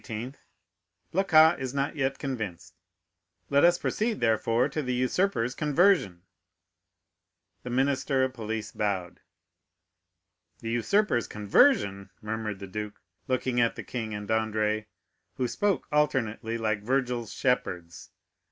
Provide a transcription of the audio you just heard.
"Blacas is not yet convinced; let us proceed, therefore, to the usurper's conversion." The minister of police bowed. "The usurper's conversion!" murmured the duke, looking at the king and Dandré, who spoke alternately, like Virgil's shepherds.